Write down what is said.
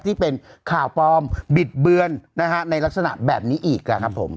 ที่เป็นข่าวปลอมบิดเบือนนะฮะในลักษณะแบบนี้อีกนะครับผม